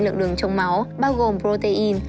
lượng đường trong máu bao gồm protein